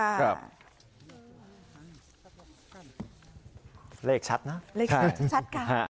เลขชัดนะค่ะใช่ใช่ชัดค่ะ